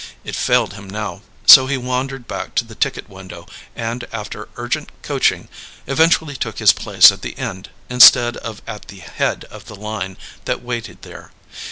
It failed him now; so he wandered back to the ticket window, and, after urgent coaching, eventually took his place at the end instead of at the head of the line that waited there.